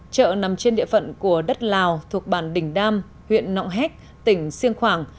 chợ nằm trên địa phận của đất lào thuộc bản đình đam huyện nọng héc tỉnh siêng khoảng